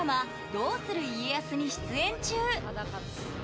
「どうする家康」に出演中。